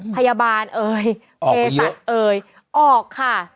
พยาบาลเอ๋ยเอศัตริย์ออกค่ะ